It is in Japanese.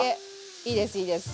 いいですいいです。